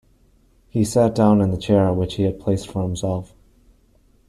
He sat down in the chair which he had placed for himself.